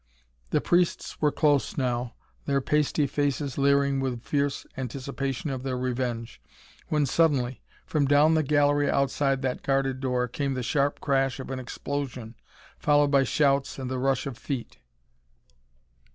The priests were close now, their pasty faces leering with fierce anticipation of their revenge, when suddenly, from down the gallery outside that guarded door, came the sharp crash of an explosion, followed by shouts and the rush of feet.